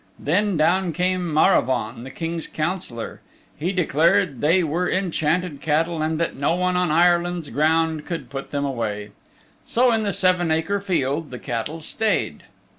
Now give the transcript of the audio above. Then down came Maravaun, the King's Councillor. He declared they were enchanted cattle, and that no one on Ireland's ground could put them away. So in the seven acre field the cattle stayed.